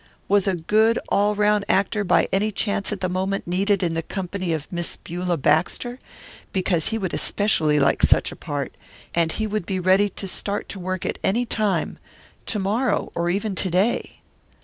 Was a good all round actor by any chance at that moment needed in the company of Miss Beulah Baxter, because he would especially like such a part, and he would be ready to start to work at any time to morrow, or even to day.